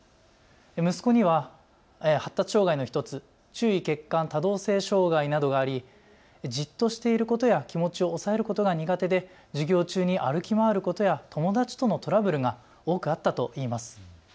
息子には発達障害の１つ、注意欠陥多動性障害などがありじっとしていることや気持ちを抑えることが苦手で授業中に歩き回ることや友達とのトラブルが多くあったといいます。